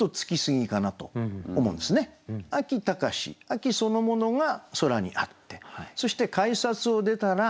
秋そのものが空にあってそして改札を出たら。